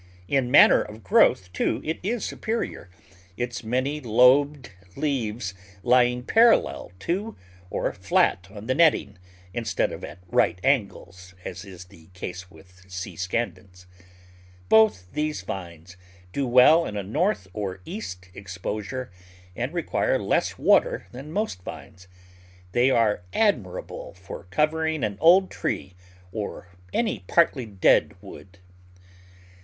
In manner of growth, too, it is superior, its many lobed leaves lying parallel to, or flat on the netting, instead of at right angles, as is the case with C. scandens. Both these vines do well in a north or east exposure and require less water than most vines. They are admirable for covering an old tree or any partly dead wood.